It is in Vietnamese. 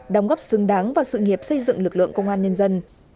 đóng góp xứng đáng vào sự nghiệp xây dựng lực lượng công an nhân dân